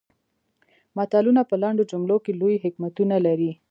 متلونه په لنډو جملو کې لوی حکمتونه لري